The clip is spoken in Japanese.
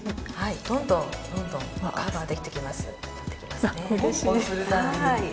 どんどんどんどんカバーできてきます。